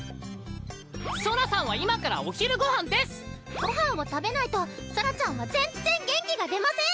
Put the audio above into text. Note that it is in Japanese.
ソラさんは今からお昼ごはんですごはんを食べないとソラちゃんは全然元気が出ません